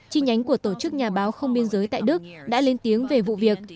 chi nhánh của tổ chức nhà báo không biên giới tại đức đã lên tiếng về vụ việc